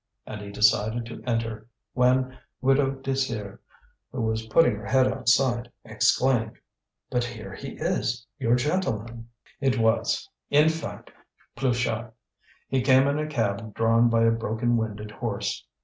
And he decided to enter, when Widow Désir, who was putting her head outside, exclaimed: "But here he is, your gentleman!" It was, in fact, Pluchart. He came in a cab drawn by a broken winded horse.